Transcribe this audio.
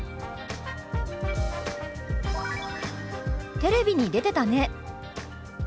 「テレビに出てたね」。